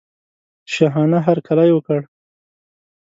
شاهانه هرکلی وکړ.